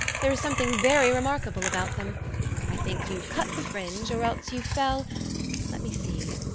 There is something very remarkable about them. I think you cut the fringe, or else you fell let me see.